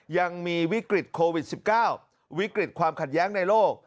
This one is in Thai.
ยังมีวิกฤตโควิด๑๙วิกฤตความขัดแย้งในโลก